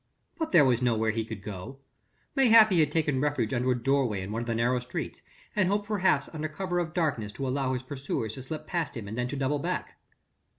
But there was nowhere he could go; mayhap he had taken refuge under a doorway in one of the narrow streets and hoped perhaps under cover of the darkness to allow his pursuers to slip past him and then to double back.